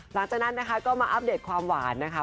หลังจากนั้นนะคะก็มาอัปเดตความหวานนะคะ